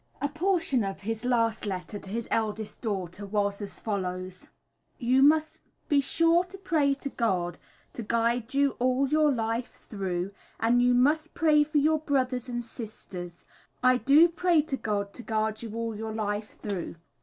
A portion of his last letter to his eldest daughter was as follows: You must be sure to pray to God to gide you all you life through and you must pray for your Brothers and Sisters i do pray to God to gard you all you life through.